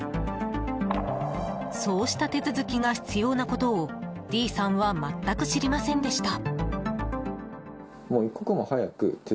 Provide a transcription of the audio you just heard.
そうした手続きが必要なことをＤさんは全く知りませんでした。